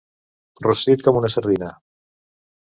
Rostit com una sardina.